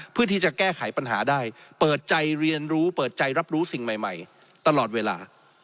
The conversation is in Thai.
เพื่อที่จะแก้ไขปัญหาได้เปิดใจเรียนรู้เปิดใจรับรู้สิ่งใหม่ตลอดเวลา